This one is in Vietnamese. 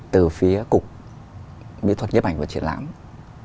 từ phía cục miễn thuật nhất ảnh và triện lạc